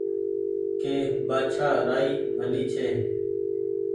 ڪي بآڇآ رآئي ڀلي ڇي